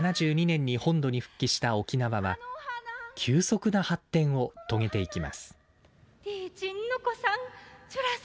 １９７２年に本土に復帰した沖縄は急速な発展を遂げていきます